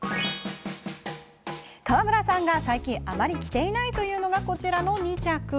川村さんが最近あまり着ていないというのが、こちらの２着。